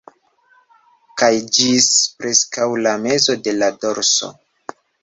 Kaj ĝis preskaŭ la mezo de la dorso